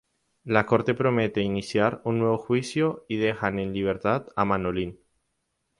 La corte promete iniciar un nuevo juicio y dejan en libertad a Manolín.